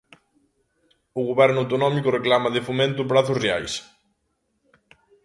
O Goberno autonómico reclama de Fomento prazos reais.